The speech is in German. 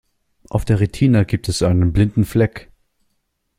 Auf der Retina gibt es einen blinden Fleck.